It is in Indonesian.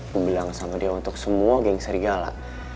aku bilang sama dia untuk semua geng serigala